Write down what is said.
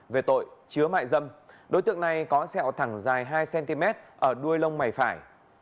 về tội chứa mại dâm đối tượng này có sẹo thẳng dài hai cm ở đuôi lông mày phải